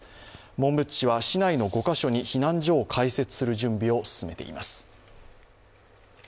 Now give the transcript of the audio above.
紋別市は市内の５か所に避難所を開設する準備を進めています。